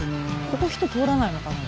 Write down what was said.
ここ人通らないのかな？